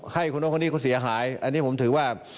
ให้คนนู้นคนนี้เขาเสียหายอันนี้ผมถือว่า